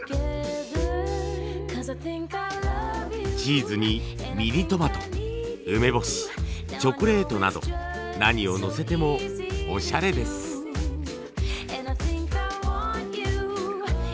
チーズにミニトマト梅干しチョコレートなど何をのせてもオシャレです。